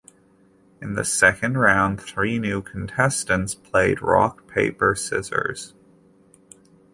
In the second round, three new contestants played Rock, Paper, Scissors.